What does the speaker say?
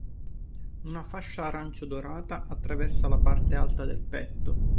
Una fascia arancio dorato attraversa la parte alta del petto.